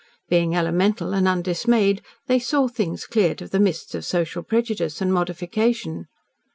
Being elemental and undismayed, they saw things cleared of the mists of social prejudice and modification.